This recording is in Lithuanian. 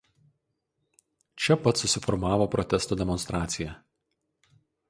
Čia pat susiformavo protesto demonstracija.